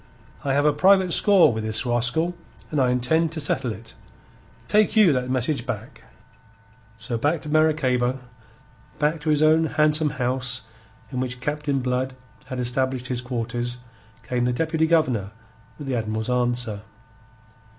I have a private score with this rascal, and I intend to settle it. Take you that message back." So back to Maracaybo, back to his own handsome house in which Captain Blood had established his quarters, came the Deputy Governor with the Admiral's answer.